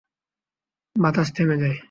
বাতাস থেমে যায়।